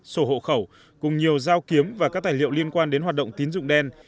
sổ hộ khẩu cùng nhiều dao kiếm và các tài liệu liên quan đến hoạt động tín dụng đen